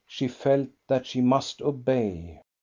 She felt that she must obey.